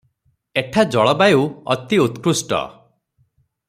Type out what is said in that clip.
ଏଠା ଜଳବାୟୁ ଅତି ଉତ୍କୃଷ୍ଟ ।